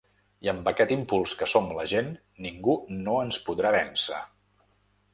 I amb aquest impuls que som la gent, ningú no ens podrà vèncer.